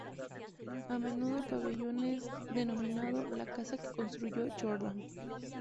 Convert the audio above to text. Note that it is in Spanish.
A menudo el pabellón es denominado "la casa que construyó Jordan".